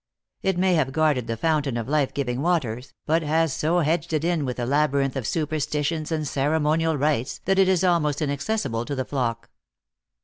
It may have guarded the fountain of life giving waters, but has so hedged it in with a labyrinth of superstitions and ceremonial rites, that it is almost inaccessible to the flock."